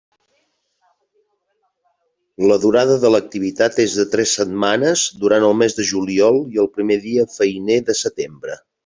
La durada de l'activitat és de tres setmanes durant el mes de juliol i el primer dia feiner de setembre.